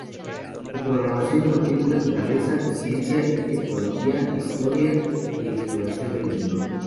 Su programación contiene naturaleza, ciencia y tecnología, historia, y exploración del mundo.